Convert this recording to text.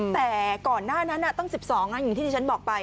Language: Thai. แต่ก่อนหน้านั้นตั้ง๑๒อย่างที่ที่ฉันบอกไป